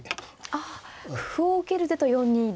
あ歩を受ける手と４二竜。